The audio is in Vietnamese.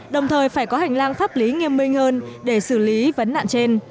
đồng thời phải có hành lang pháp lý nghiêm minh hơn để xử lý vấn nạn trên